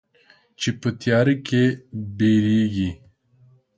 چې په تیاره کې بیریږې